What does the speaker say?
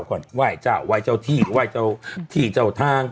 ก่อนไหว้เจ้าไหว้เจ้าที่ไหว้เจ้าที่เจ้าทาง